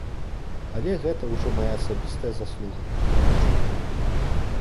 Але гэта ўжо мая асабістая заслуга, я лічу.